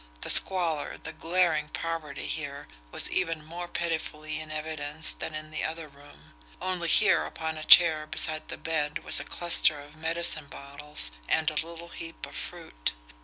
The squalor, the glaring poverty here, was even more pitifully in evidence than in the other room only here upon a chair beside the bed was a cluster of medicine bottles and a little heap of fruit.